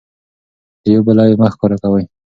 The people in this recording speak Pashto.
د یو بل عیب مه ښکاره کوئ.